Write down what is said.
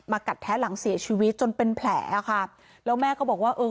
กัดแท้หลังเสียชีวิตจนเป็นแผลอ่ะค่ะแล้วแม่ก็บอกว่าเออ